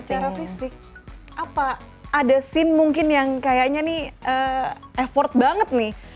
secara fisik apa ada scene mungkin yang kayaknya nih effort banget nih